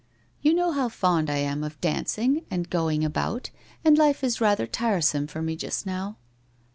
' You know how fond I am of dancing and going about, and life is rather tiresome for me just now